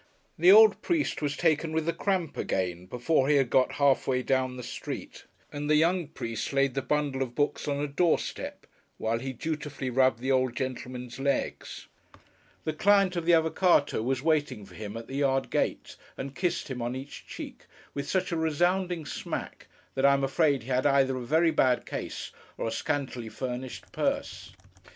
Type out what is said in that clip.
The old priest was taken with the cramp again, before he had got half way down the street; and the young priest laid the bundle of books on a door step, while he dutifully rubbed the old gentleman's legs. The client of the Avvocáto was waiting for him at the yard gate, and kissed him on each cheek, with such a resounding smack, that I am afraid he had either a very bad case, or a scantily furnished purse.